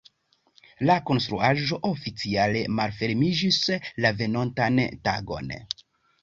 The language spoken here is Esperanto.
La konstruaĵo oficiale malfermiĝis la venontan tagon.